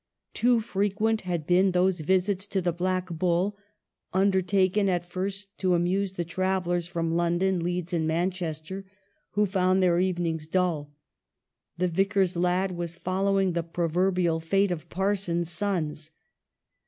Too frequent had been those visits to the " Black Bull," undertaken, at first, to amuse the travellers from London, Leeds and Manchester, who found their evenings dull. The Vicar's lad was following the proverbial fate of parsons' sons.